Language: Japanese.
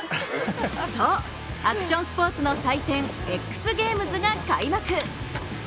そう、アクションスポーツの祭典ＸＧａｍｅｓが開幕！